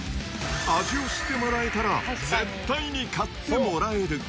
味を知ってもらえたら、絶対に買ってもらえる。